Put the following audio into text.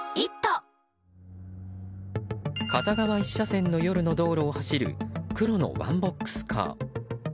片側１車線の夜の道路を走る黒のワンボックスカー。